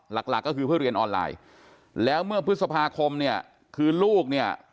หลักก็คือเพื่อเรียนออนไลน์แล้วเมื่อพฤษภาคมคือลูก